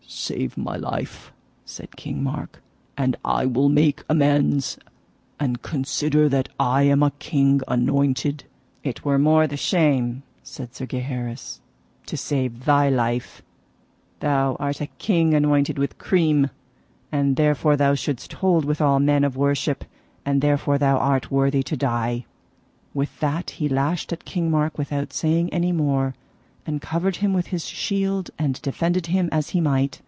Save my life, said King Mark, and I will make amends; and consider that I am a king anointed. It were the more shame, said Sir Gaheris, to save thy life; thou art a king anointed with cream, and therefore thou shouldst hold with all men of worship; and therefore thou art worthy to die. With that he lashed at King Mark without saying any more, and covered him with his shield and defended him as he might.